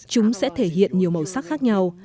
chúng sẽ thể hiện nhiều màu sắc khác nhau